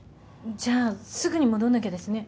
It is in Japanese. じゃあすぐに戻んなきゃですね。